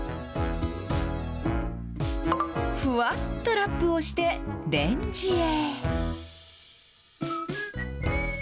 ふわっとラップをして、レンジへ。